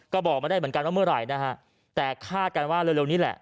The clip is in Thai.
ก็บอกมาได้เหมือนกันว่าเมื่อไหร่นะฮะแต่คาดกันว่าเร็วนี้แหละ